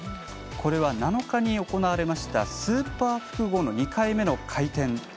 これは７日に行われましたスーパー複合の２回目の回転。